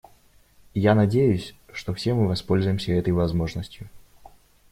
И я надеюсь, что все мы воспользуемся этой возможностью.